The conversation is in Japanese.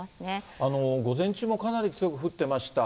午前中もかなり強く降ってました。